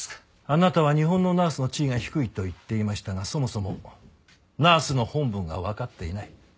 あなたは日本のナースの地位が低いと言っていましたがそもそもナースの本分がわかっていない。